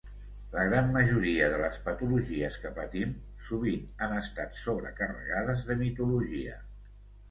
La gran majoria de les patologies que patim sovint han estat sobrecarregades de mitologia.